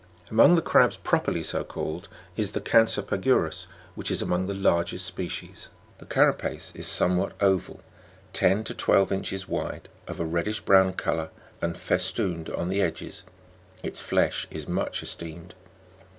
Among the crabs, properly so called, is the Cancer pagurm (Jig, 63), which is among the largest species; the cara pace is .somewhat oval, ten to twelve inches wide, of a reddish brown colour, and festooned on the edges; its flesh is much esteemed.